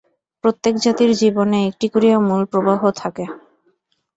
প্রত্যেক জাতির জীবনে একটি করিয়া মূল প্রবাহ থাকে।